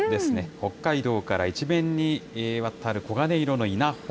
北海道から一面にわたる黄金色の稲穂。